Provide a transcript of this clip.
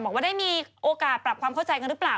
บอกว่าได้มีโอกาสปรับความเข้าใจกันหรือเปล่า